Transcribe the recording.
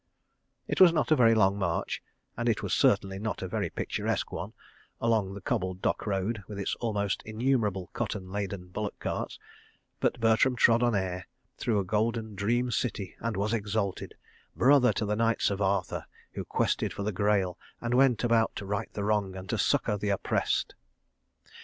It was not a very long march, and it was certainly not a very picturesque one—along the cobbled Dock Road, with its almost innumerable cotton laden bullock carts—but Bertram trod on air through a golden dream city and was exalted, brother to the Knights of Arthur who quested for the Grail and went about to right the wrong and to succour the oppressed.